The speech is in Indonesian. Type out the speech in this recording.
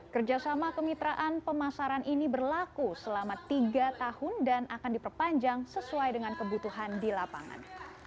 kerjasama kemitraan pemasaran ini berlaku selama tiga tahun dan akan diperpanjang sesuai dengan kebutuhan di lapangan